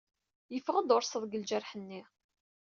Yeffeɣ-d urseḍ deg lǧerḥ-nni.